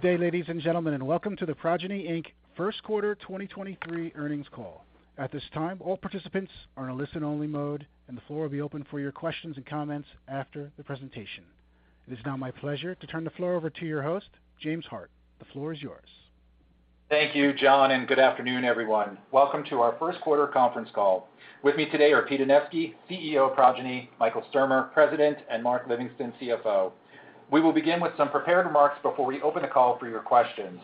Good day, ladies and gentlemen, and welcome to the Progyny Inc. first quarter 2023 earnings call. At this time, all participants are in a listen-only mode, and the floor will be open for your questions and comments after the presentation. It is now my pleasure to turn the floor over to your host, James Hart. The floor is yours. Thank you, John. Good afternoon, everyone. Welcome to our first quarter conference call. With me today are Pete Anevski, CEO of Progyny, Michael Sturmer, President, and Mark Livingston, CFO. We will begin with some prepared remarks before we open the call for your questions.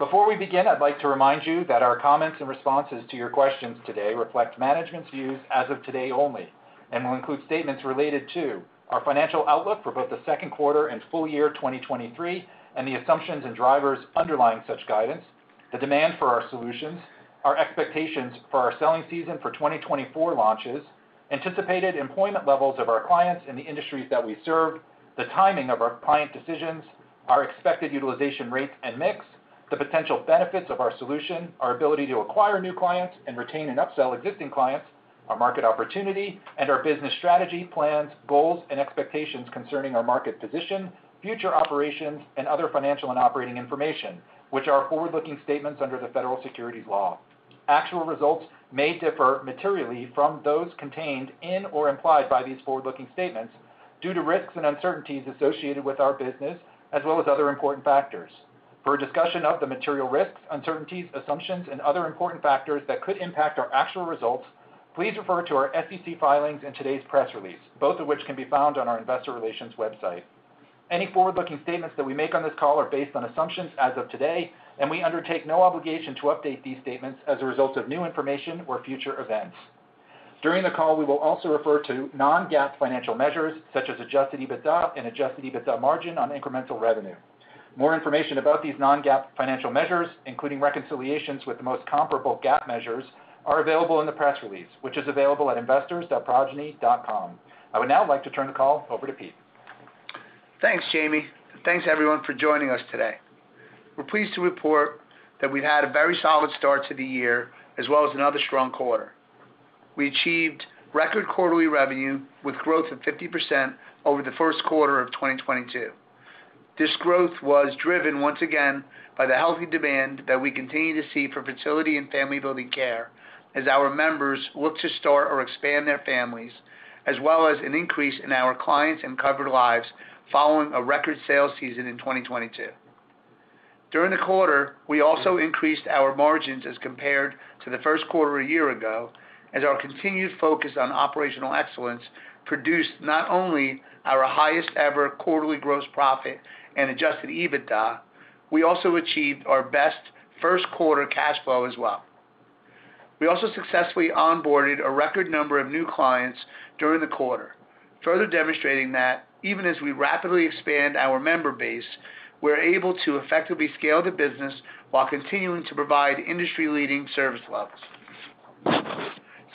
Before we begin, I'd like to remind you that our comments and responses to your questions today reflect management's views as of today only and will include statements related to our financial outlook for both the second quarter and full year 2023 and the assumptions and drivers underlying such guidance, the demand for our solutions, our expectations for our selling season for 2024 launches, anticipated employment levels of our clients in the industries that we serve, the timing of our client decisions, our expected utilization rates and mix, the potential benefits of our solution, our ability to acquire new clients and retain and upsell existing clients, our market opportunity, and our business strategy, plans, goals, and expectations concerning our market position, future operations, and other financial and operating information, which are forward-looking statements under the federal securities laws. Actual results may differ materially from those contained in or implied by these forward-looking statements due to risks and uncertainties associated with our business, as well as other important factors. For a discussion of the material risks, uncertainties, assumptions, and other important factors that could impact our actual results, please refer to our SEC filings in today's press release, both of which can be found on our investor relations website. Any forward-looking statements that we make on this call are based on assumptions as of today, and we undertake no obligation to update these statements as a result of new information or future events. During the call, we will also refer to non-GAAP financial measures such as Adjusted EBITDA and Adjusted EBITDA margin on incremental revenue. More information about these non-GAAP financial measures, including reconciliations with the most comparable GAAP measures, are available in the press release, which is available at investors.progyny.com. I would now like to turn the call over to Pete. Thanks, Jamie. Thanks everyone for joining us today. We're pleased to report that we've had a very solid start to the year as well as another strong quarter. We achieved record quarterly revenue with growth of 50% over the first quarter of 2022. This growth was driven once again by the healthy demand that we continue to see for fertility and family-building care as our members look to start or expand their families, as well as an increase in our clients and covered lives following a record sales season in 2022. During the quarter, we also increased our margins as compared to the first quarter a year ago, as our continued focus on operational excellence produced not only our highest ever quarterly gross profit and Adjusted EBITDA, we also achieved our best first quarter cash flow as well. We also successfully onboarded a record number of new clients during the quarter, further demonstrating that even as we rapidly expand our member base, we're able to effectively scale the business while continuing to provide industry-leading service levels.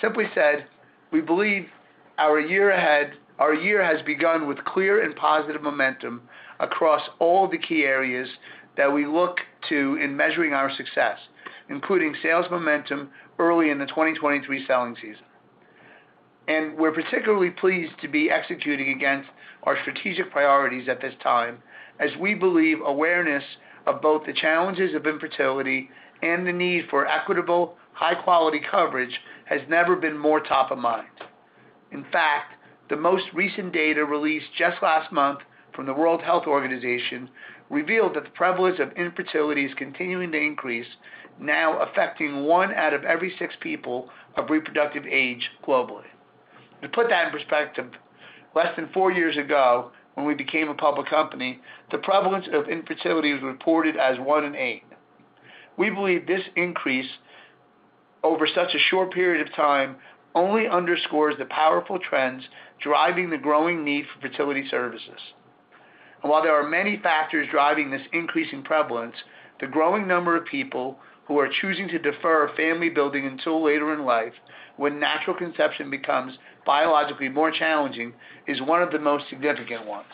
Simply said, we believe our year has begun with clear and positive momentum across all the key areas that we look to in measuring our success, including sales momentum early in the 2023 selling season. We're particularly pleased to be executing against our strategic priorities at this time, as we believe awareness of both the challenges of infertility and the need for equitable, high-quality coverage has never been more top of mind. In fact, the most recent data released just last month from the World Health Organization revealed that the prevalence of infertility is continuing to increase, now affecting one out of every six people of reproductive age globally. To put that in perspective, less than four years ago when we became a public company, the prevalence of infertility was reported as one in eight. We believe this increase over such a short period of time only underscores the powerful trends driving the growing need for fertility services. While there are many factors driving this increasing prevalence, the growing number of people who are choosing to defer family building until later in life, when natural conception becomes biologically more challenging, is one of the most significant ones.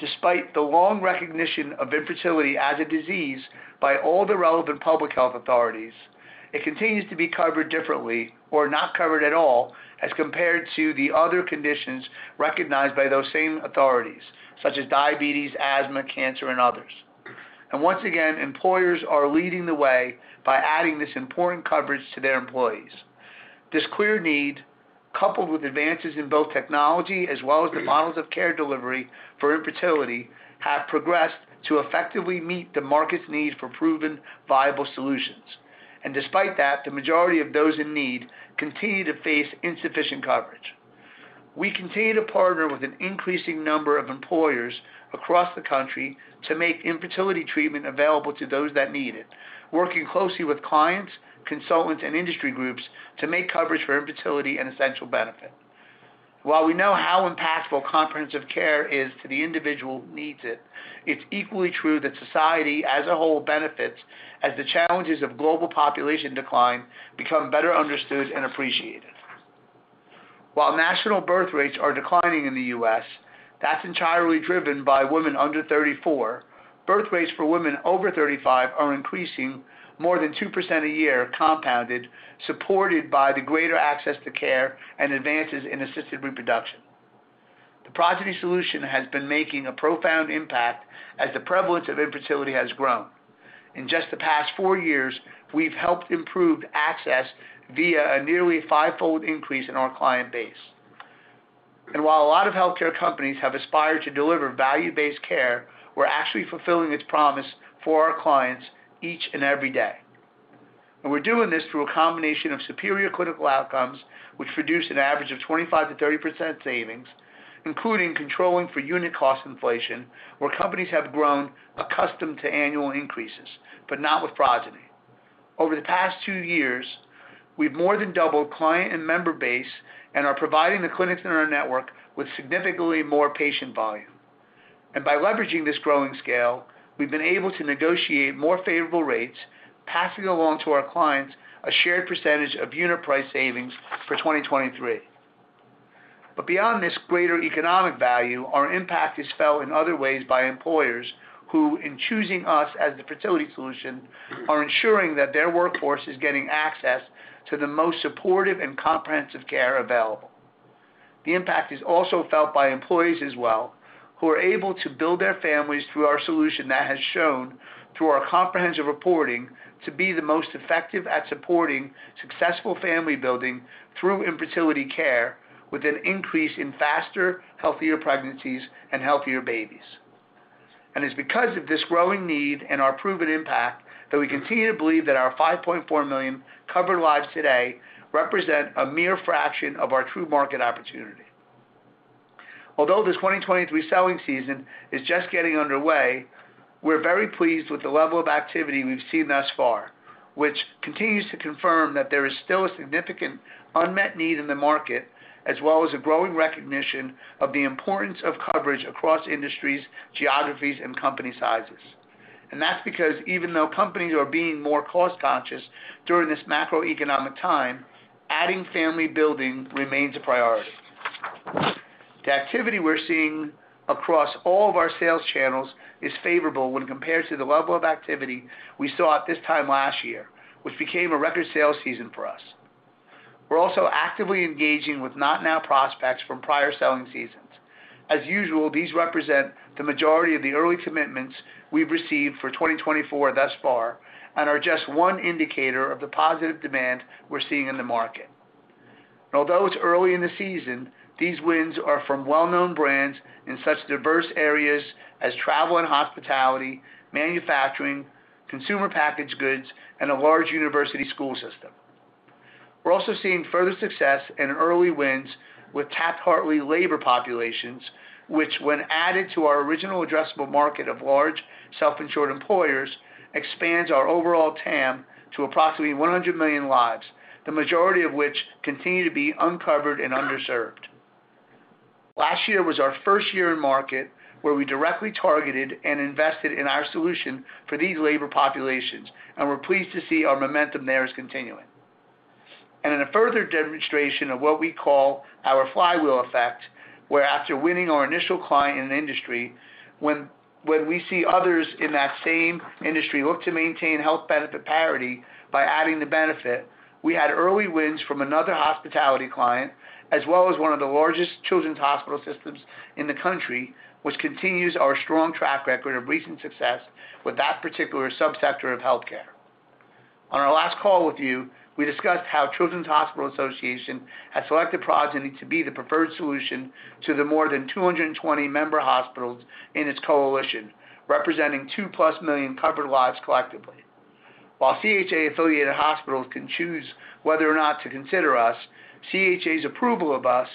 Despite the long recognition of infertility as a disease by all the relevant public health authorities, it continues to be covered differently or not covered at all as compared to the other conditions recognized by those same authorities, such as diabetes, asthma, cancer, and others. Once again, employers are leading the way by adding this important coverage to their employees. This clear need, coupled with advances in both technology as well as the models of care delivery for infertility, have progressed to effectively meet the market's need for proven viable solutions. Despite that, the majority of those in need continue to face insufficient coverage. We continue to partner with an increasing number of employers across the country to make infertility treatment available to those that need it, working closely with clients, consultants and industry groups to make coverage for infertility an essential benefit. While we know how impactful comprehensive care is to the individual who needs it's equally true that society as a whole benefits as the challenges of global population decline become better understood and appreciated. While national birth rates are declining in the U.S., that's entirely driven by women under 34. Birth rates for women over 35 are increasing more than 2% a year compounded, supported by the greater access to care and advances in assisted reproduction. The Progyny solution has been making a profound impact as the prevalence of infertility has grown. In just the past four years, we've helped improve access via a nearly five-fold increase in our client base. While a lot of healthcare companies have aspired to deliver value-based care, we're actually fulfilling its promise for our clients each and every day. We're doing this through a combination of superior clinical outcomes, which produce an average of 25%-30% savings, including controlling for unit cost inflation, where companies have grown accustomed to annual increases, but not with Progyny. Over the past two years, we've more than doubled client and member base and are providing the clinics in our network with significantly more patient volume. By leveraging this growing scale, we've been able to negotiate more favorable rates, passing along to our clients a shared percentage of unit price savings for 2023. Beyond this greater economic value, our impact is felt in other ways by employers who, in choosing us as the fertility solution, are ensuring that their workforce is getting access to the most supportive and comprehensive care available. The impact is also felt by employees as well, who are able to build their families through our solution that has shown, through our comprehensive reporting, to be the most effective at supporting successful family building through infertility care with an increase in faster, healthier pregnancies and healthier babies. It's because of this growing need and our proven impact that we continue to believe that our 5.4 million covered lives today represent a mere fraction of our true market opportunity. Although this 2023 selling season is just getting underway, we're very pleased with the level of activity we've seen thus far, which continues to confirm that there is still a significant unmet need in the market, as well as a growing recognition of the importance of coverage across industries, geographies, and company sizes. That's because even though companies are being more cost-conscious during this macroeconomic time, adding family-building remains a priority. The activity we're seeing across all of our sales channels is favorable when compared to the level of activity we saw at this time last year, which became a record sales season for us. We're also actively engaging with not-now prospects from prior selling seasons. As usual, these represent the majority of the early commitments we've received for 2024 thus far and are just one indicator of the positive demand we're seeing in the market. Although it's early in the season, these wins are from well-known brands in such diverse areas as travel and hospitality, manufacturing, consumer packaged goods, and a large university school system. We're also seeing further success and early wins with Taft-Hartley labor populations, which when added to our original addressable market of large self-insured employers, expands our overall TAM to approximately 100 million lives, the majority of which continue to be uncovered and underserved. Last year was our first year in market where we directly targeted and invested in our solution for these labor populations, and we're pleased to see our momentum there is continuing. In a further demonstration of what we call our flywheel effect, where after winning our initial client in an industry, when we see others in that same industry look to maintain health benefit parity by adding the benefit, we had early wins from another hospitality client, as well as one of the largest children's hospital systems in the country, which continues our strong track record of recent success with that particular subsector of healthcare. On our last call with you, we discussed how Children's Hospital Association has selected Progyny to be the preferred solution to the more than 220 member hospitals in its coalition, representing 2+ million covered lives collectively. While CHA-affiliated hospitals can choose whether or not to consider us, CHA's approval of us,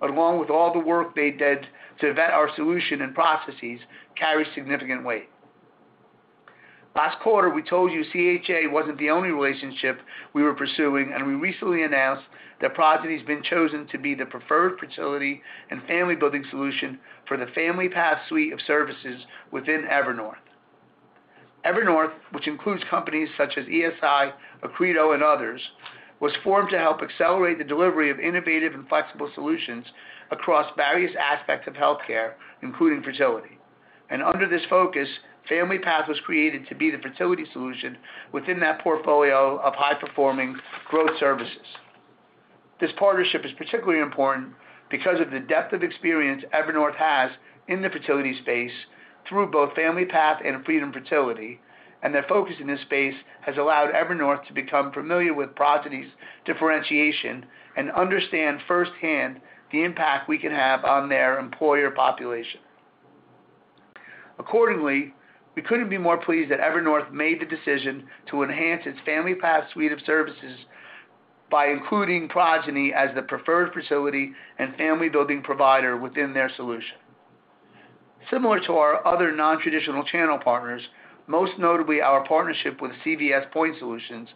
along with all the work they did to vet our solution and processes carry significant weight. Last quarter, we told you CHA wasn't the only relationship we were pursuing, and we recently announced that Progyny's been chosen to be the preferred fertility and family-building solution for the FamilyPath suite of services within Evernorth. Evernorth, which includes companies such as ESI, Accredo, and others, was formed to help accelerate the delivery of innovative and flexible solutions across various aspects of healthcare, including fertility. Under this focus, FamilyPath was created to be the fertility solution within that portfolio of high-performing growth services. This partnership is particularly important because of the depth of experience Evernorth has in the fertility space through both FamilyPath and Freedom Fertility, and their focus in this space has allowed Evernorth to become familiar with Progyny's differentiation and understand firsthand the impact we can have on their employer population. We couldn't be more pleased that Evernorth made the decision to enhance its FamilyPath suite of services by including Progyny as the preferred fertility and family building provider within their solution. Similar to our other nontraditional channel partners, most notably our partnership with CVS Point Solutions,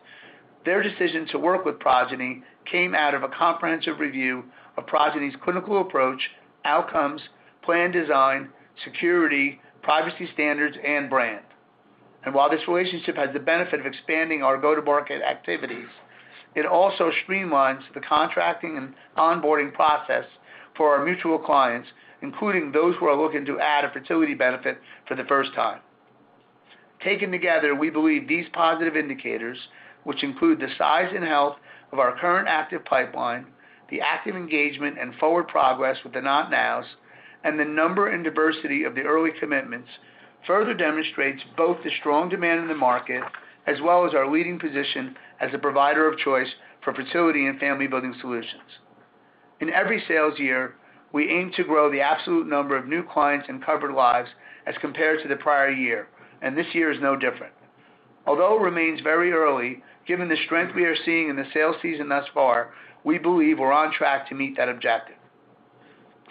their decision to work with Progyny came out of a comprehensive review of Progyny's clinical approach, outcomes, plan design, security, privacy standards, and brand. While this relationship has the benefit of expanding our go-to-market activities, it also streamlines the contracting and onboarding process for our mutual clients, including those who are looking to add a fertility benefit for the first time. Taken together, we believe these positive indicators which include the size and health of our current active pipeline, the active engagement and forward progress with the not [nows], and the number and diversity of the early commitments, further demonstrates both the strong demand in the market as well as our leading position as a provider of choice for fertility and family-building solutions. In every sales year, we aim to grow the absolute number of new clients and covered lives as compared to the prior year, and this year is no different. Although it remains very early, given the strength we are seeing in the sales season thus far, we believe we're on track to meet that objective.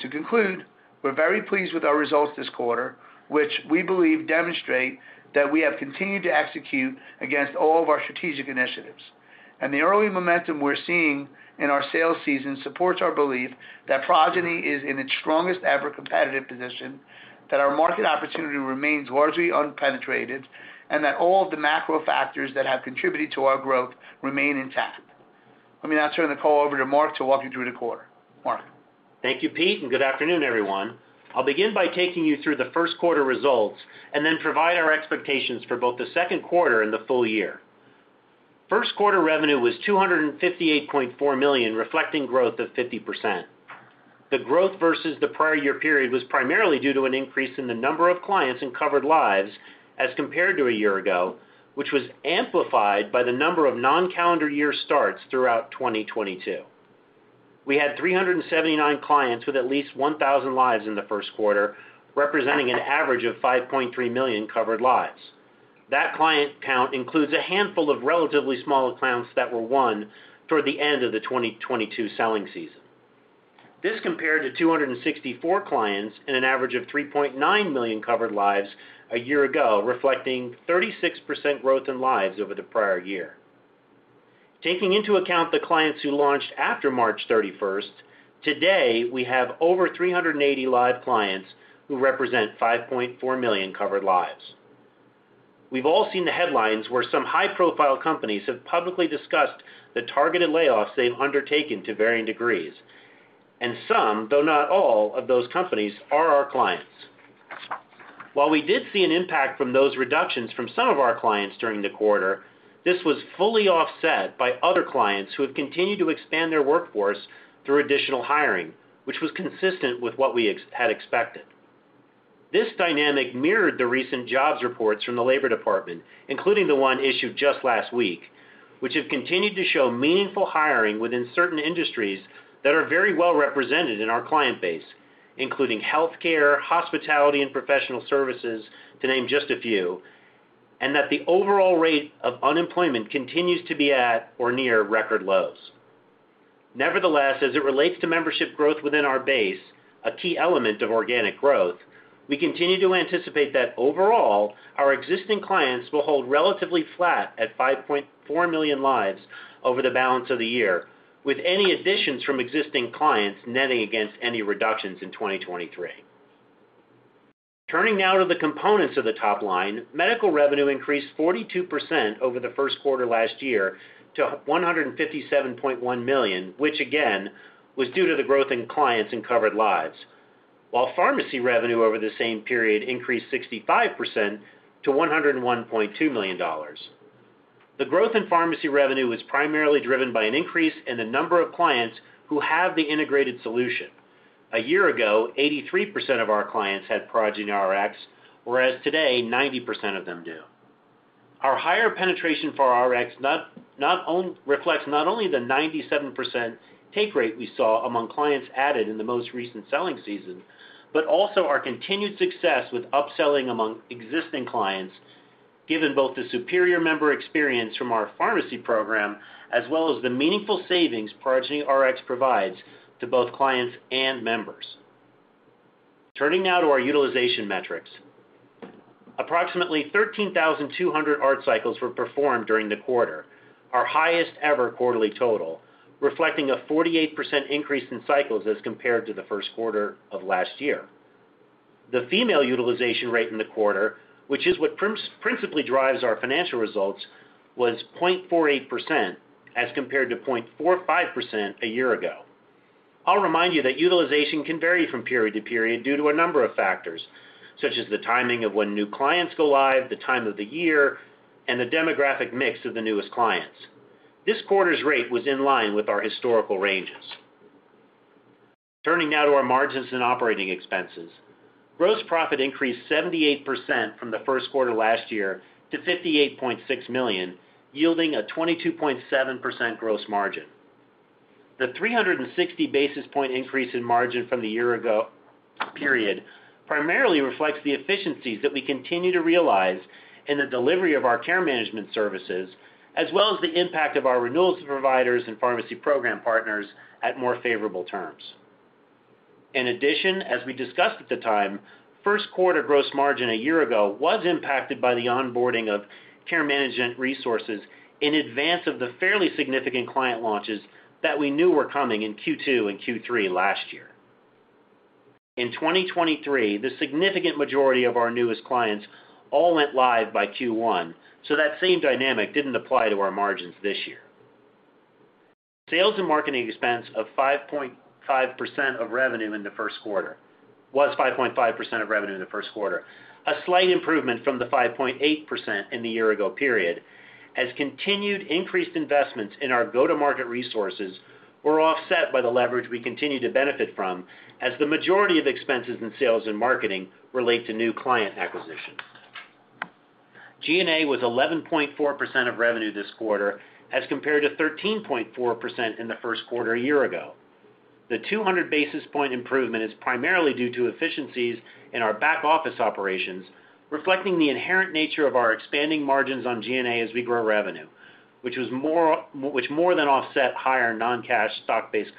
To conclude, we're very pleased with our results this quarter, which we believe demonstrate that we have continued to execute against all of our strategic initiatives. The early momentum we're seeing in our sales season supports our belief that Progyny is in its strongest-ever competitive position, that our market opportunity remains largely unpenetrated, and that all the macro factors that have contributed to our growth remain intact. Let me now turn the call over to Mark to walk you through the quarter. Mark. Thank you, Pete, and good afternoon, everyone. I'll begin by taking you through the first quarter results and then provide our expectations for both the second quarter and the full year. First quarter revenue was $258.4 million, reflecting growth of 50%. The growth versus the prior year period was primarily due to an increase in the number of clients in covered lives as compared to a year ago, which was amplified by the number of non-calendar year starts throughout 2022. We had 379 clients with at least 1,000 lives in the first quarter, representing an average of 5.3 million covered lives. That client count includes a handful of relatively smaller clients that were won toward the end of the 2022 selling season. This compared to 264 clients in an average of 3.9 million covered lives a year ago, reflecting 36% growth in lives over the prior year. Taking into account the clients who launched after March 31st, today we have over 380 live clients who represent 5.4 million covered lives. We've all seen the headlines where some high-profile companies have publicly discussed the targeted layoffs they've undertaken to varying degrees, and some, though not all, of those companies are our clients. While we did see an impact from those reductions from some of our clients during the quarter, this was fully offset by other clients who have continued to expand their workforce through additional hiring, which was consistent with what we had expected. This dynamic mirrored the recent jobs reports from the Labor Department, including the one issued just last week, which have continued to show meaningful hiring within certain industries that are very well-represented in our client base, including healthcare, hospitality, and professional services, to name just a few, and that the overall rate of unemployment continues to be at or near record lows. Nevertheless, as it relates to membership growth within our base, a key element of organic growth, we continue to anticipate that overall, our existing clients will hold relatively flat at 5.4 million lives over the balance of the year, with any additions from existing clients netting against any reductions in 2023. Turning now to the components of the top line, medical revenue increased 42% over the first quarter last year to $157.1 million, which again was due to the growth in clients and covered lives. Pharmacy revenue over the same period increased 65% to $101.2 million. The growth in pharmacy revenue was primarily driven by an increase in the number of clients who have the integrated solution. A year ago, 83% of our clients had Progyny Rx whereas today, 90% of them do. Our higher penetration for Rx reflects not only the 97% take rate we saw among clients added in the most recent selling season, but also our continued success with upselling among existing clients, given both the superior member experience from our pharmacy program as well as the meaningful savings Progyny Rx provides to both clients and members. Turning now to our utilization metrics. Approximately 13,200 ART cycles were performed during the quarter, our highest ever quarterly total, reflecting a 48% increase in cycles as compared to the first quarter of last year. The female utilization rate in the quarter, which is what principally drives our financial results, was 0.48%, as compared to 0.45% a year ago. I'll remind you that utilization can vary from period to period due to a number of factors, such as the timing of when new clients go live, the time of the year, and the demographic mix of the newest clients. This quarter's rate was in line with our historical ranges. Turning now to our margins and operating expenses. Gross profit increased 78% from the 1st quarter last year to $58.6 million, yielding a 22.7% gross margin. The 360 basis point increase in margin from the year ago period primarily reflects the efficiencies that we continue to realize in the delivery of our care management services, as well as the impact of our renewals to providers and pharmacy program partners at more favorable terms. In addition, as we discussed at the time, first quarter gross margin a year-ago was impacted by the onboarding of care management resources in advance of the fairly significant client launches that we knew were coming in Q2 and Q3 last year. In 2023, the significant majority of our newest clients all went live by Q1, so that same dynamic didn't apply to our margins this year. Sales and marketing expense was 5.5% of revenue in the first quarter, a slight improvement from the 5.8% in the year-ago period as continued increased investments in our go-to-market resources were offset by the leverage we continue to benefit from as the majority of expenses in sales and marketing relate to new client acquisitions. G&A was 11.4% of revenue this quarter as compared to 13.4% in the first quarter a year ago. The 200 basis point improvement is primarily due to efficiencies in our back-office operations, reflecting the inherent nature of our expanding margins on G&A as we grow revenue, which more than offset higher non-cash stock-based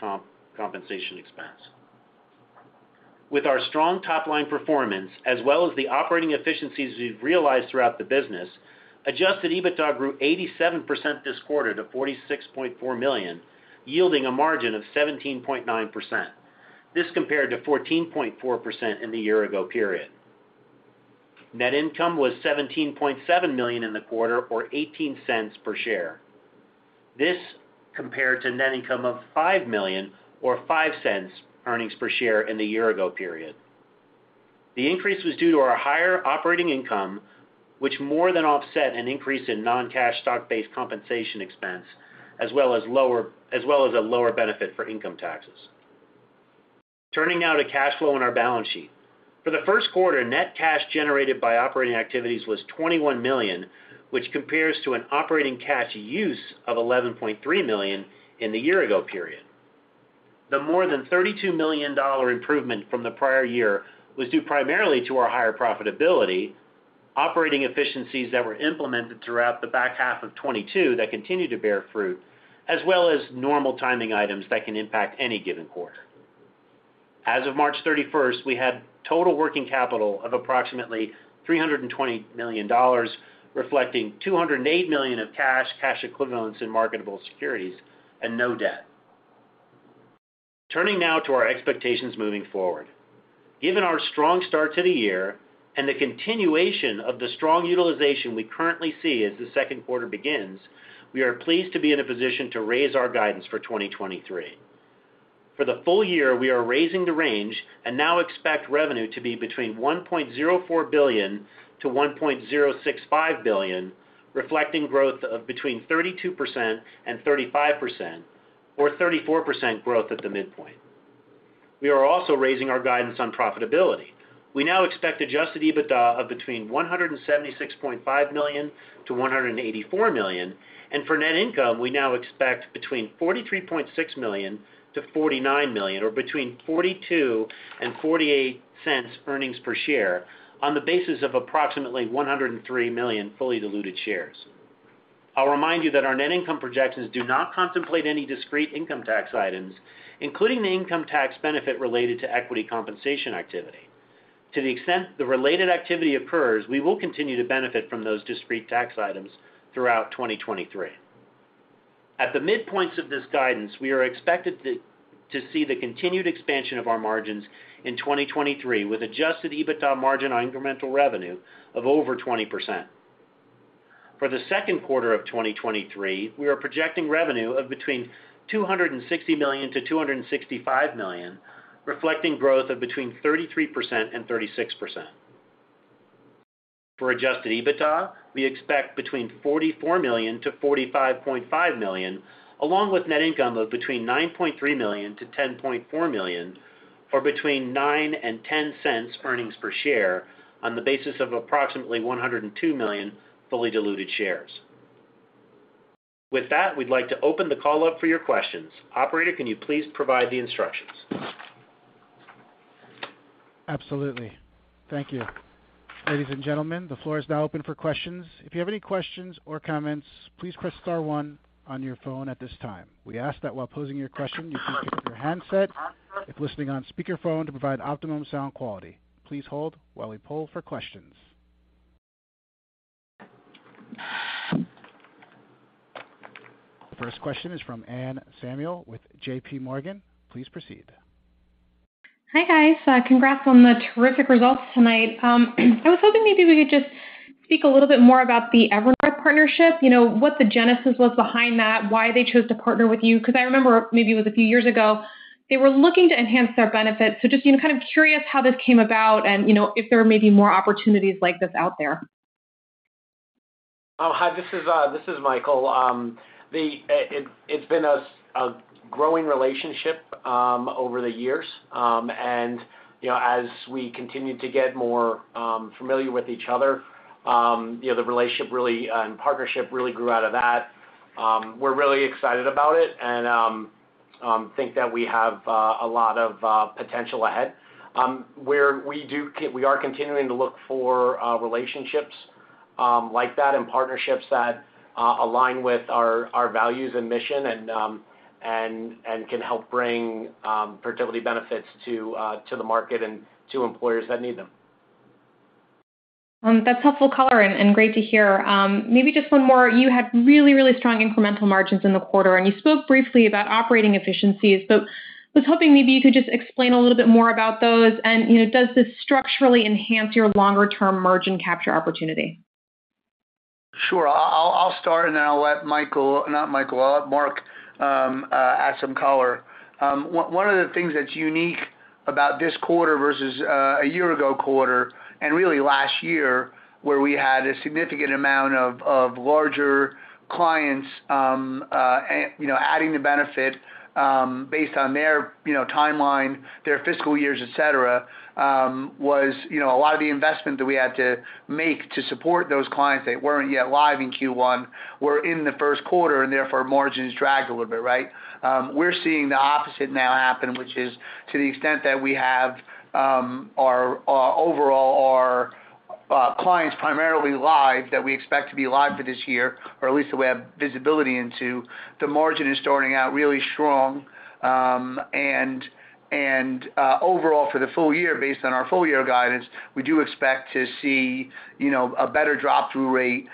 compensation expense. With our strong top-line performance as well as the operating efficiencies we've realized throughout the business, Adjusted EBITDA grew 87% this quarter to $46.4 million, yielding a margin of 17.9%. This compared to 14.4% in the year ago period. Net income was $17.7 million in the quarter or $0.18 per share. This compared to net income of $5 million or $0.05 earnings per share in the year ago period. The increase was due to our higher operating income, which more than offset an increase in non-cash stock-based compensation expense as well as a lower benefit for income taxes. Turning now to cash flow in our balance sheet. For the first quarter, net cash generated by operating activities was $21 million, which compares to an operating cash use of $11.3 million in the year ago period. The more than $32 million improvement from the prior year was due primarily to our higher profitability, operating efficiencies that were implemented throughout the back half of 2022 that continued to bear fruit, as well as normal timing items that can impact any given quarter. As of March 31st, we had total working capital of approximately $320 million, reflecting $208 million of cash equivalents, and marketable securities, no debt. Turning now to our expectations moving forward. Given our strong start to the year and the continuation of the strong utilization we currently see as the second quarter begins, we are pleased to be in a position to raise our guidance for 2023. For the full year, we are raising the range and now expect revenue to be between $1.04 billion to $1.065 billion, reflecting growth of between 32% and 35% or 34% growth at the midpoint. We are also raising our guidance on profitability. We now expect Adjusted EBITDA of between $176.5 million to $184 million. For net income, we now expect between $43.6 million-$49 million, or between $0.42 and $0.48 earnings per share on the basis of approximately 103 million fully diluted shares. I'll remind you that our net income projections do not contemplate any discrete income tax items, including the income tax benefit related to equity compensation activity. To the extent the related activity occurs, we will continue to benefit from those discrete tax items throughout 2023. At the midpoints of this guidance, we are expected to see the continued expansion of our margins in 2023, with Adjusted EBITDA margin on incremental revenue of over 20%. For the second quarter of 2023 we are projecting revenue of between $260 million-$265 million, reflecting growth of between 33% and 36%. For Adjusted EBITDA, we expect between $44 million to $45.5 million, along with net income of between $9.3 million to $10.4 million, or between $0.09 and $0.10 earnings per share on the basis of approximately 102 million fully diluted shares. With that, we'd like to open the call up for your questions. Operator, can you please provide the instructions? Absolutely. Thank you. Ladies and gentlemen, the floor is now open for questions. If you have any questions or comments, please press star one on your phone at this time. We ask that while posing your question, you can keep your handset if listening on speaker phone to provide optimum sound quality. Please hold while we poll for questions. First question is from Anne Samuel with J.P. Morgan please proceed. Hi, guys. Congrats on the terrific results tonight. I was hoping maybe we could just speak a little bit more about the Evernorth partnership. You know, what the genesis was behind that, why they chose to partner with you. Because I remember maybe it was a few years ago, they were looking to enhance their benefits. Just, you know, kind of curious how this came about and, you know, if there are maybe more opportunities like this out there. Oh, hi. This is Michael. The, it's been a growing relationship over the years. You know, as we continued to get more familiar with each other, you know, the relationship, and partnership really grew out of that. We're really excited about it and think that we have a lot of potential ahead. Where we are continuing to look for relationships like that and partnerships that align with our values and mission and can help bring fertility benefits to the market and to employers that need them. That's helpful color and great to hear. Maybe just one more. You had really, really strong incremental margins in the quarter. You spoke briefly about operating efficiencies. I was hoping maybe you could just explain a little bit more about those and, you know, does this structurally enhance your longer-term margin capture opportunity? Sure. I'll start, and then I'll let Michael, not Michael, I'll let Mark add some color. One of the things that's unique about this quarter versus a year ago quarter, and really last year, where we had a significant amount of larger clients, you know, adding the benefit, based on their, you know, timeline, their fiscal years, et cetera, was, you know, a lot of the investment that we had to make to support those clients that weren't yet live in Q1, were in the first quarter, and therefore, margins dragged a little bit, right? We're seeing the opposite now happen, which is to the extent that we have, our overall clients primarily live that we expect to be live for this year, or at least that we have visibility into, the margin is starting out really strong. Overall for the full year, based on our full year guidance, we do expect to see, you know, a better drop-through rate,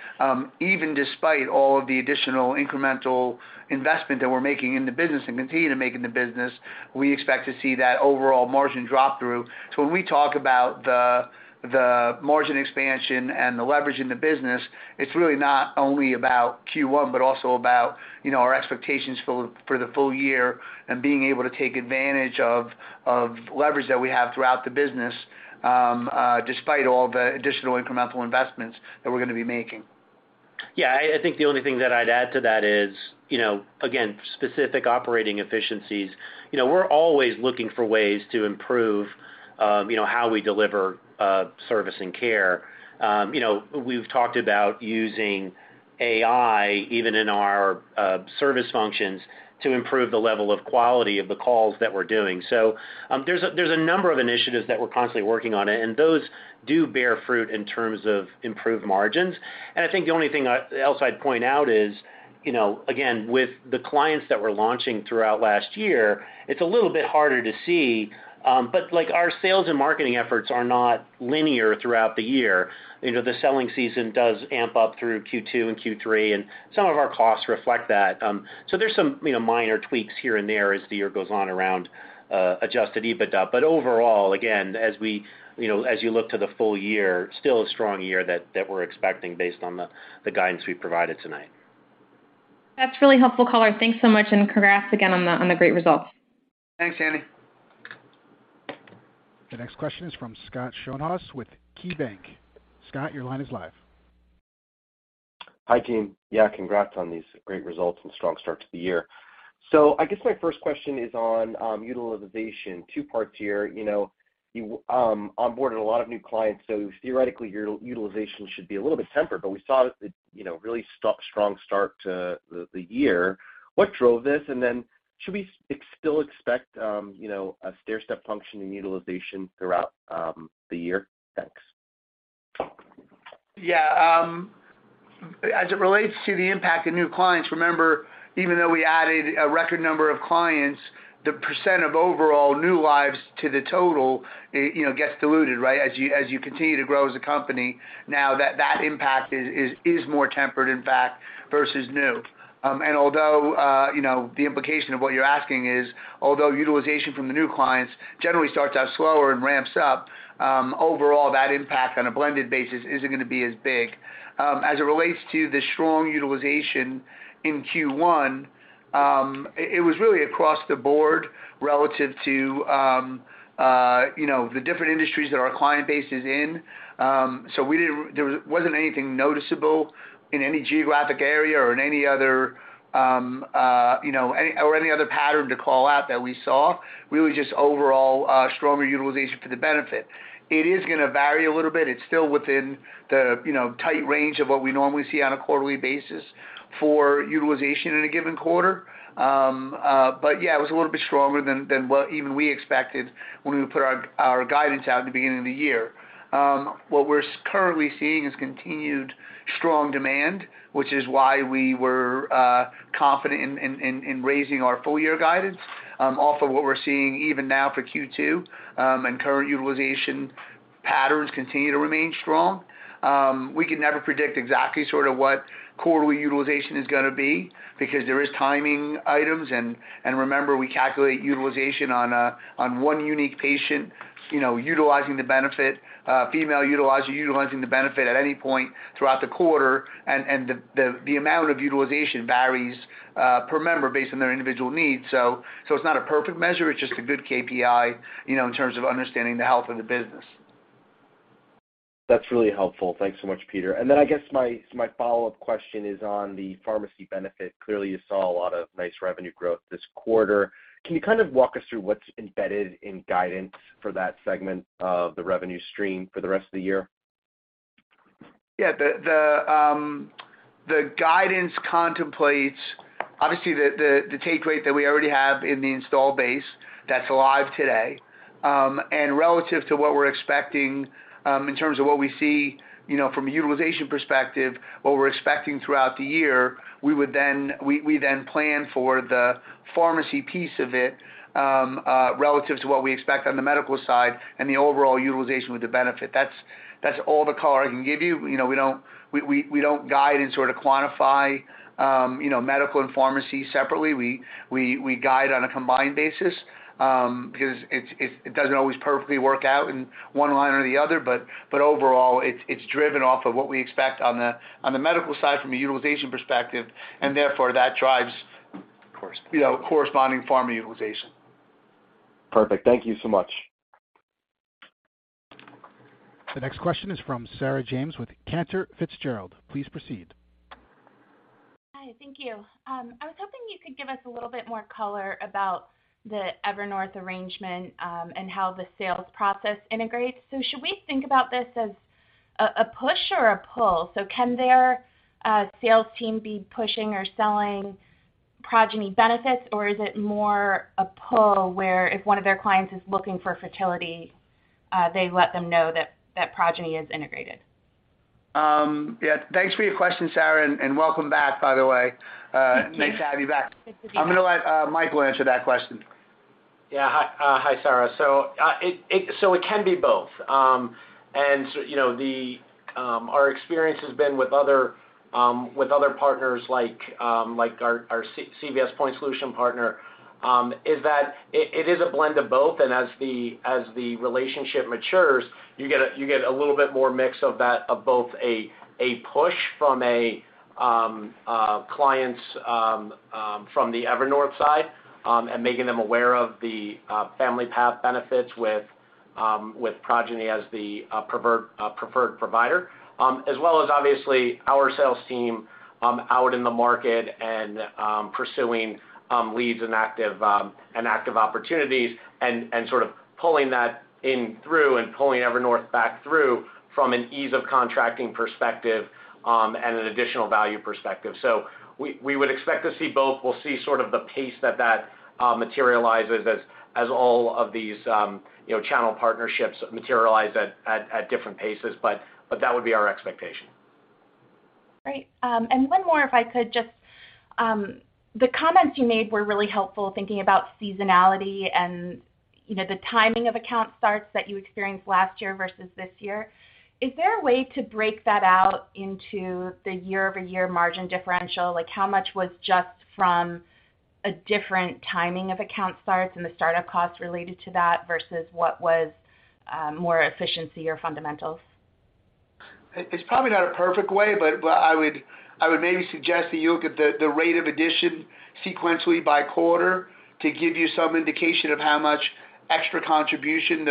even despite all of the additional incremental investment that we're making in the business and continue to make in the business, we expect to see that overall margin drop-through. When we talk about the margin expansion and the leverage in the business, it's really not only about Q1, but also about, you know, our expectations for the full year and being able to take advantage of leverage that we have throughout the business, despite all the additional incremental investments that we're gonna be making. Yeah. I think the only thing that I'd add to that is, you know, again, specific operating efficiencies. You know, we're always looking for ways to improve, you know, how we deliver service and care. You know, we've talked about using AI even in our service functions to improve the level of quality of the calls that we're doing. There's a number of initiatives that we're constantly working on, and those do bear fruit in terms of improved margins. I think the only thing else I'd point out is, you know, again, with the clients that we're launching throughout last year, it's a little bit harder to see. But, like, our sales and marketing efforts are not linear throughout the year. You know, the selling season does amp up through Q2 and Q3, and some of our costs reflect that. There's some, you know, minor tweaks here and there as the year goes on around Adjusted EBITDA. Overall, again, you know, as you look to the full year, still a strong year that we're expecting based on the guidance we provided tonight. That's really helpful color. Thanks so much, and congrats again on the, on the great results. Thanks, Annie. The next question is from Scott Schoenhaus with KeyBanc, Scott, your line is live. Hi, team. Yeah, congrats on these great results and strong start to the year. I guess my first question is on utilization. Two parts here. You know, you onboarded a lot of new clients, so theoretically, your utilization should be a little bit tempered, but we saw the, you know, really strong start to the year. What drove this? Should we still expect, you know, a stairstep function in utilization throughout the year? Thanks. Yeah. As it relates to the impact of new clients, remember, even though we added a record number of clients, the % of overall new lives to the total, you know, gets diluted, right? As you continue to grow as a company, now that impact is more tempered, in fact, versus new. Although, you know, the implication of what you're asking is, although utilization from the new clients generally starts out slower and ramps up, overall, that impact on a blended basis isn't gonna be as big. As it relates to the strong utilization in Q1, it was really across the board relative to, you know, the different industries that our client base is in. We didn't, there wasn't anything noticeable in any geographic area or in any other, you know, or any other pattern to call out that we saw, really just overall, stronger utilization for the benefit. It is gonna vary a little bit. It's still within the, you know, tight range of what we normally see on a quarterly basis for utilization in a given quarter. Yeah, it was a little bit stronger than what even we expected when we put our guidance out at the beginning of the year. What we're currently seeing is continued strong demand, which is why we were confident in raising our full year guidance. Also what we're seeing even now for Q2, and current utilization patterns continue to remain strong. We can never predict exactly sort of what quarterly utilization is gonna be because there is timing items and remember, we calculate utilization on one unique patient, you know, utilizing the benefit, female utilizing the benefit at any point throughout the quarter, and the amount of utilization varies per member based on their individual needs. It's not a perfect measure, it's just a good KPI, you know, in terms of understanding the health of the business. That's really helpful. Thanks so much, Peter. I guess my follow-up question is on the pharmacy benefit. Clearly, you saw a lot of nice revenue growth this quarter. Can you kind of walk us through what's embedded in guidance for that segment of the revenue stream for the rest of the year? Yeah. The guidance contemplates obviously the take rate that we already have in the install base that's live today. Relative to what we're expecting, in terms of what we see, you know, from a utilization perspective, what we're expecting throughout the year, we then plan for the pharmacy piece of it, relative to what we expect on the medical side and the overall utilization with the benefit. That's all the color I can give you. You know, we don't guide and sort of quantify, you know, medical and pharmacy separately. We guide on a combined basis, because it doesn't always perfectly work out in one line or the other, but overall, it's driven off of what we expect on the medical side from a utilization perspective, and therefore, that drives corresponding pharma utilization. Perfect. Thank you so much. The next question is from Sarah James with Cantor Fitzgerald. Please proceed. Hi. Thank you. I was hoping you could give us a little bit more color about the Evernorth arrangement, and how the sales process integrates. Should we think about this as a push or a pull? Can their sales team be pushing or selling Progyny benefits, or is it more a pull where if one of their clients is looking for fertility, they let them know that Progyny is integrated? Thanks for your question, Sarah, and welcome back, by the way. Thank you. Nice to have you back. Nice to be here. I'm gonna let Michael answer that question. Yeah. Hi, hi, Sarah. It can be both. You know, our experience has been with other, with other partners like our CVS Point Solutions partner, is that it is a blend of both. As the relationship matures, you get a little bit more mix of that, of both a push from clients from the Evernorth side and making them aware of the FamilyPath benefits with Progyny as the preferred provider, as well as obviously our sales team out in the market and pursuing leads and active opportunities and sort of pulling that in through and pulling Evernorth back through from an ease of contracting perspective and an additional value perspective. We would expect to see both. We'll see sort of the pace that materializes as all of these, you know, channel partnerships materialize at different paces, that would be our expectation. Great. One more, if I could just, the comments you made were really helpful thinking about seasonality and, you know, the timing of account starts that you experienced last year versus this year. Is there a way to break that out into the year-over-year margin differential? Like, how much was just from a different timing of account starts and the startup costs related to that versus what was more efficiency or fundamentals? It's probably not a perfect way, but I would maybe suggest that you look at the rate of addition sequentially by quarter to give you some indication of how much extra contribution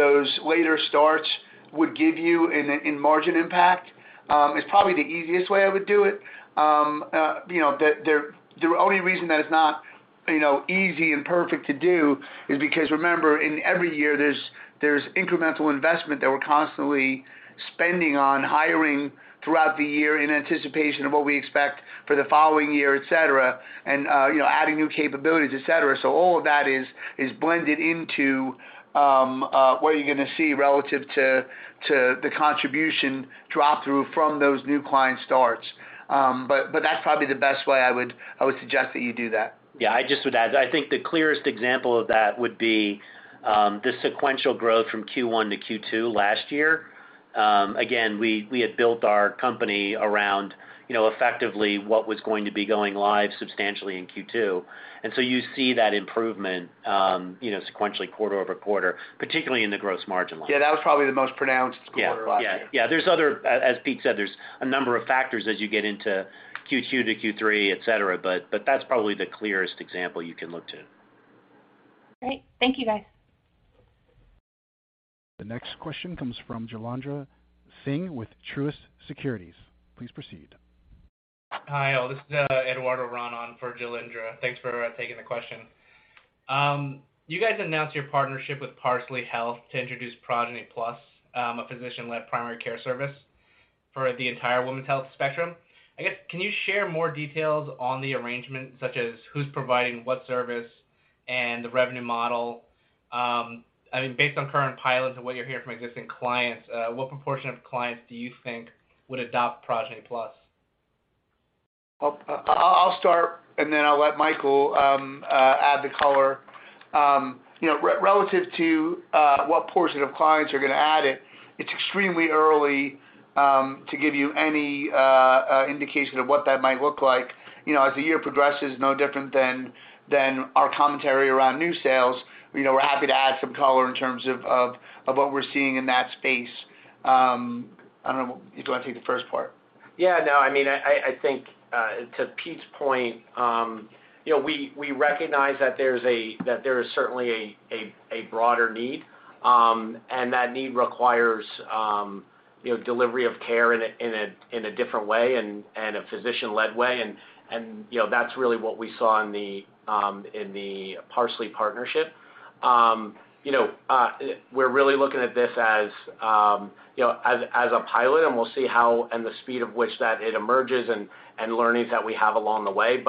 those later starts would give you in margin impact. It's probably the easiest way I would do it. You know, the only reason that it's not, you know, easy and perfect to do is because remember, in every year there's incremental investment that we're constantly spending on hiring throughout the year in anticipation of what we expect for the following year, et cetera, and adding new capabilities, et cetera. All of that is blended into what you're gonna see relative to the contribution drop through from those new client starts. That's probably the best way I would suggest that you do that. Yeah. I just would add, I think the clearest example of that would be, the sequential growth from Q1 to Q2 last year. Again, we had built our company around, you know, effectively what was going to be going live substantially in Q2. You see that improvement, you know, sequentially quarter-over-quarter, particularly in the gross margin line. Yeah, that was probably the most pronounced quarter last year. Yeah. Yeah. Yeah. As Pete said, there's a number of factors as you get into Q2 to Q3, et cetera. That's probably the clearest example you can look to. Great. Thank you, guys. The next question comes from Jailendra Singh with Truist Securities. Please proceed. Hi, all. This is Eduardo Ron for Jailendra. Thanks for taking the question. You guys announced your partnership with Parsley Health to introduce Progyny+, a physician-led primary care service for the entire women's health spectrum. I guess, can you share more details on the arrangement, such as who's providing what service and the revenue model? I mean, based on current pilots and what you hear from existing clients, what proportion of clients do you think would adopt Progyny+? I'll start, and then I'll let Michael add the color. You know, relative to what portion of clients are gonna add it's extremely early to give you any indication of what that might look like. You know, as the year progresses, no different than our commentary around new sales. You know, we're happy to add some color in terms of what we're seeing in that space. I don't know, do you wanna take the first part? Yeah, no, I mean, I think to Pete's point, you know, we recognize that there is certainly a broader need, and that need requires, you know, delivery of care in a different way and a physician-led way. You know, that's really what we saw in the Parsley partnership. You know, we're really looking at this as, you know, as a pilot, and we'll see how and the speed of which that it emerges and learnings that we have along the way.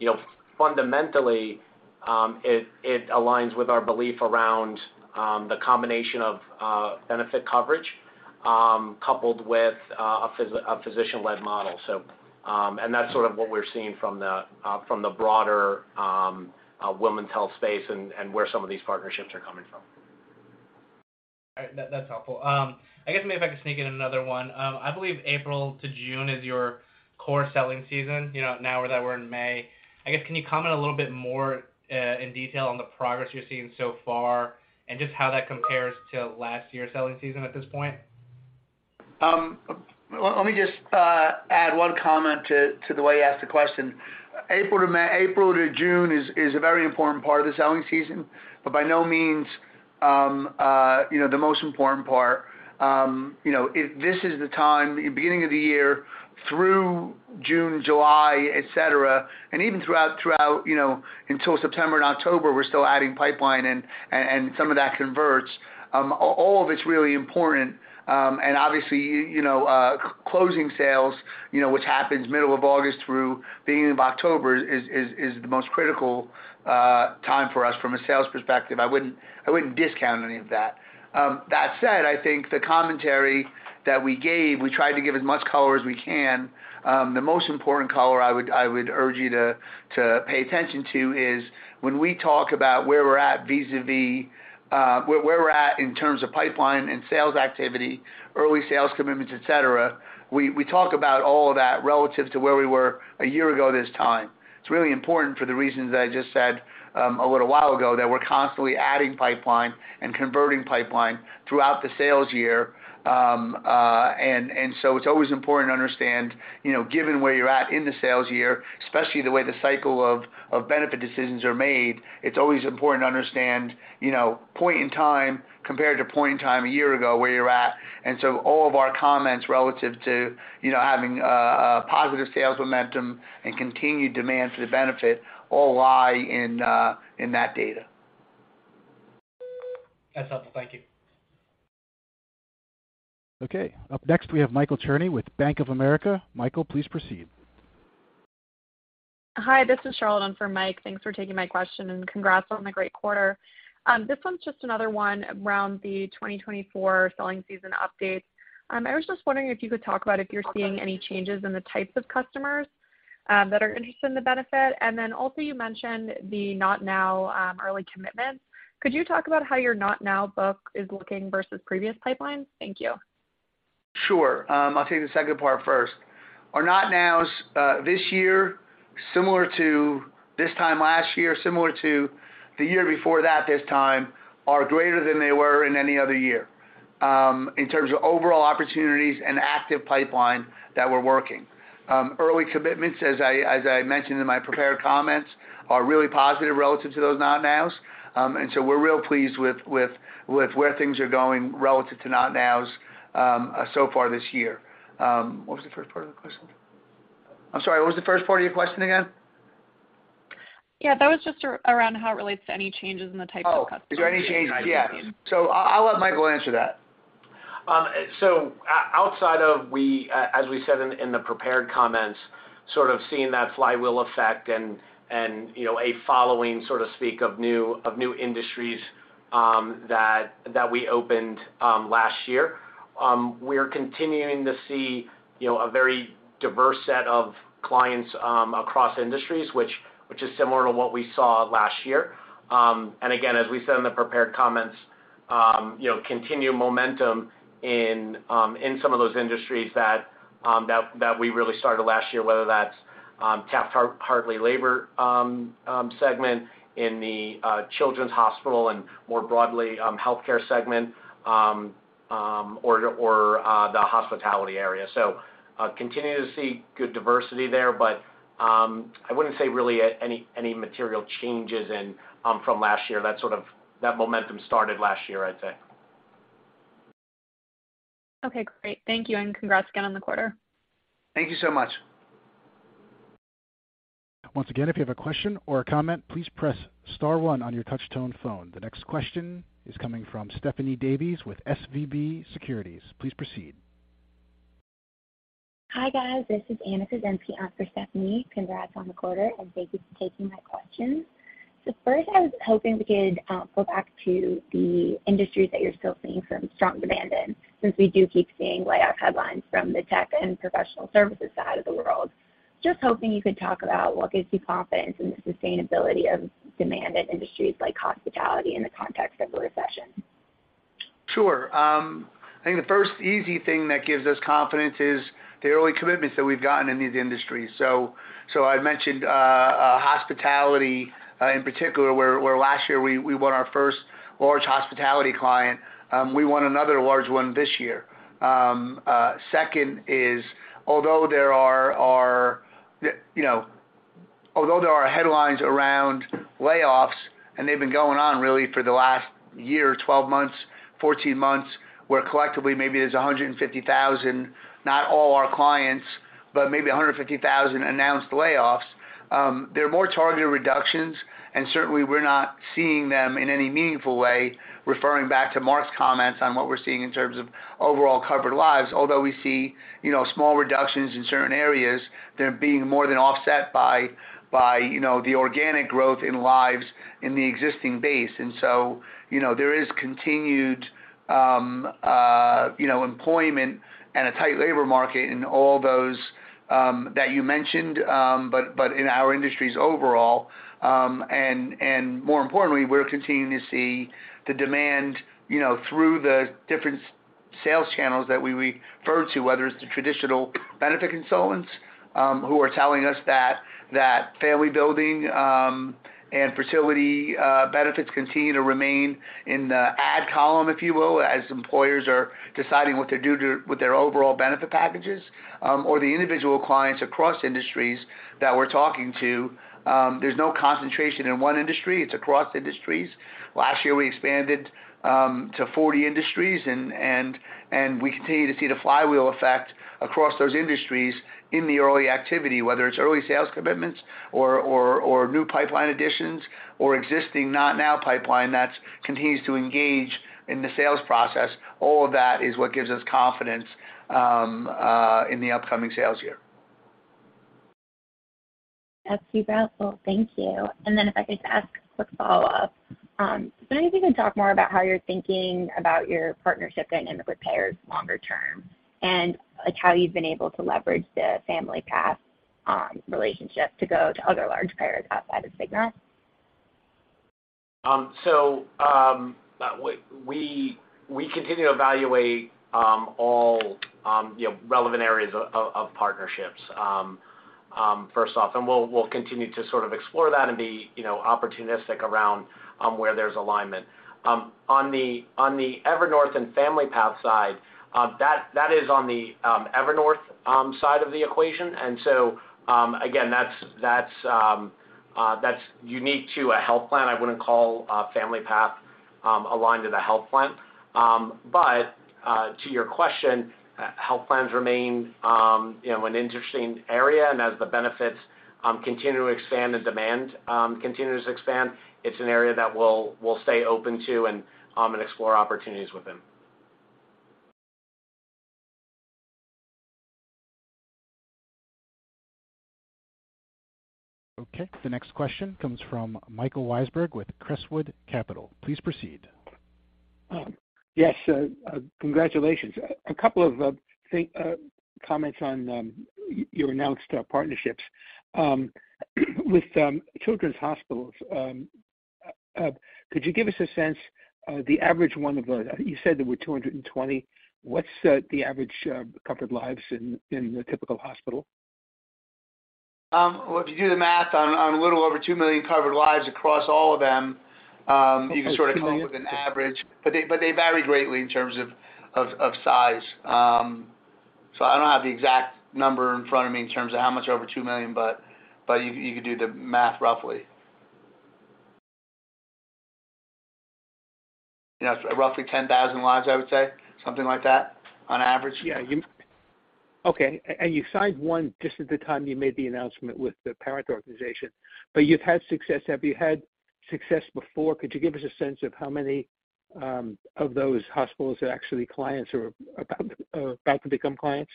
You know, fundamentally, it aligns with our belief around the combination of benefit coverage, coupled with a physician-led model. That's sort of what we're seeing from the from the broader women's health space and where some of these partnerships are coming from. All right. That's helpful. I guess maybe if I could sneak in another one. I believe April to June is your core selling season. You know, now that we're in May, I guess, can you comment a little bit more in detail on the progress you're seeing so far and just how that compares to last year's selling season at this point? Let me just add one comment to the way you asked the question. April to June is a very important part of the selling season, but by no means, you know, the most important part. You know, if this is the time, beginning of the year through June, July, et cetera, and even throughout, you know, until September and October, we're still adding pipeline and some of that converts, all of it's really important. Obviously, you know, closing sales, you know, which happens middle of August through beginning of October is the most critical time for us from a sales perspective. I wouldn't discount any of that. That said, I think the commentary that we gave, we tried to give as much color as we can. The most important color I would urge you to pay attention to is when we talk about where we're at vis-à-vis where we're at in terms of pipeline and sales activity, early sales commitments, et cetera, we talk about all of that relative to where we were a year ago this time. It's really important for the reasons I just said a little while ago, that we're constantly adding pipeline and converting pipeline throughout the sales year. It's always important to understand, you know, given where you're at in the sales year, especially the way the cycle of benefit decisions are made, it's always important to understand, you know, point in time compared to point in time a year ago where you're at. All of our comments relative to, you know, having a positive sales momentum and continued demand for the benefit all lie in that data. That's helpful. Thank you. Okay. Up next, we have Michael Cherny with Bank of America. Michael, please proceed. Hi, this is Charlotte in for Mike. Thanks for taking my question, congrats on the great quarter. This one's just another one around the 2024 selling season updates. I was just wondering if you could talk about if you're seeing any changes in the types of customers that are interested in the benefit. Also you mentioned the not now early commitments. Could you talk about how your not now book is looking versus previous pipelines? Thank you. Sure. I'll take the second part first. Our not [nows], this year, similar to this time last year, similar to the year before that this time, are greater than they were in any other year, in terms of overall opportunities and active pipeline that we're working. Early commitments, as I mentioned in my prepared comments, are really positive relative to those not [nows]. We're real pleased with where things are going relative to not [nows] so far this year. What was the first part of the question? I'm sorry, what was the first part of your question again? Yeah, that was just around how it relates to any changes in the type of customers. Oh, is there any change? Yeah. I'll let Michael answer that. Outside of we, as we said in the prepared comments, sort of seeing that flywheel effect and, you know, a following, so to speak, of new industries that we opened last year, we're continuing to see, you know, a very diverse set of clients across industries, which is similar to what we saw last year. Again, as we said in the prepared comments, you know, continued momentum in some of those industries that we really started last year, whether that's Taft-Hartley labor segment in the children's hospital and more broadly healthcare segment or the hospitality area. Continue to see good diversity there, I wouldn't say really any material changes in from last year. That momentum started last year, I'd say. Okay, great. Thank you. Congrats again on the quarter. Thank you so much. Once again, if you have a question or a comment, please press star one on your touch tone phone. The next question is coming from Stephanie Davis with SVB Securities. Please proceed. Hi, guys. This is Anna Kalinowski on for Stephanie. Congrats on the quarter, and thank you for taking my questions. First, I was hoping we could go back to the industries that you're still seeing some strong demand in since we do keep seeing layoff headlines from the tech and professional services side of the world. Just hoping you could talk about what gives you confidence in the sustainability of demand in industries like hospitality in the context of a recession. Sure. I think the first easy thing that gives us confidence is the early commitments that we've gotten in these industries. I mentioned hospitality in particular, where last year we won our first large hospitality client. We won another large one this year. Second is, although there are headlines around layoffs, and they've been going on really for the last year, 12 months, 14 months, where collectively maybe there's 150,000, not all our clients, but maybe 150,000 announced layoffs, they're more targeted reductions, and certainly we're not seeing them in any meaningful way, referring back to Mark's comments on what we're seeing in terms of overall covered lives. Although we see small reductions in certain areas, they're being more than offset by the organic growth in lives in the existing base. There is continued employment and a tight labor market in all those that you mentioned, in our industries overall. More importantly, we're continuing to see the demand through the different sales channels that we refer to, whether it's the traditional benefit consultants, who are telling us that family building and fertility benefits continue to remain in the ad column, if you will, as employers are deciding what to do with their overall benefit packages, or the individual clients across industries that we're talking to, there's no concentration in one industry. It's across industries. Last year, we expanded to 40 industries and we continue to see the flywheel effect across those industries in the early activity, whether it's early sales commitments or new pipeline additions or existing not now pipeline that's continues to engage in the sales process. All of that is what gives us confidence in the upcoming sales year. That's super helpful, thank you. If I could just ask a quick follow-up. Maybe you can talk more about how you're thinking about your partnership then in the payers longer term, and, like, how you've been able to leverage the FamilyPath relationship to go to other large payers outside of Cigna. We continue to evaluate all, you know, relevant areas of partnerships first off, and we'll continue to sort of explore that and be, you know, opportunistic around where there's alignment. On the Evernorth and FamilyPath side, that is on the Evernorth side of the equation. Again, that's unique to a health plan. I wouldn't call FamilyPath aligned to the health plan. To your question, health plans remain, you know, an interesting area, and as the benefits continue to expand and demand continues to expand, it's an area that we'll stay open to and explore opportunities with them. Okay. The next question comes from Michael Weisberg with Crestwood Capital. Please proceed. Yes. Congratulations. A couple of comments on your announced partnerships with children's hospitals. Could you give us a sense of the average? You said there were 220. What's the average covered lives in the typical hospital? Well, if you do the math on a little over two million covered lives across all of them, you can sort of come up with an average. They vary greatly in terms of size. I don't have the exact number in front of me in terms of how much over two million, but you could do the math roughly. You know, roughly 10,000 lives, I would say. Something like that on average. Yeah. Okay. You signed one just at the time you made the announcement with the parent organization, but you've had success. Have you had success before? Could you give us a sense of how many of those hospitals are actually clients or about to become clients?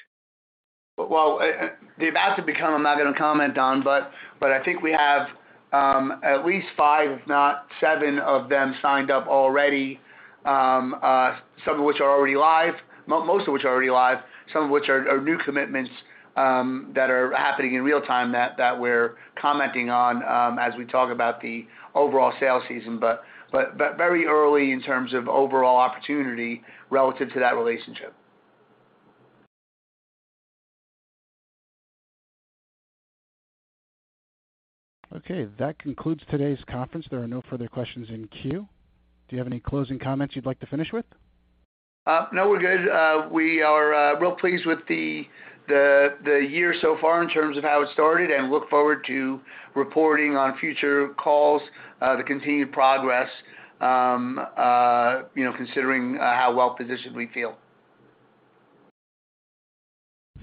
The about to become, I'm not gonna comment on, but I think we have at least five, if not seven of them signed up already, some of which are already live, most of which are already live, some of which are new commitments that are happening in real time that we're commenting on as we talk about the overall sales season. Very early in terms of overall opportunity relative to that relationship. Okay. That concludes today's conference. There are no further questions in queue. Do you have any closing comments you'd like to finish with? No, we're good. We are real pleased with the year so far in terms of how it started and look forward to reporting on future calls, the continued progress, you know, considering how well-positioned we feel.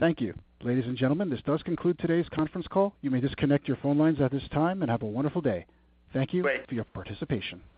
Thank you. Ladies and gentlemen, this does conclude today's conference call. You may disconnect your phone lines at this time and have a wonderful day. Thank you. Great. for your participation. Take care.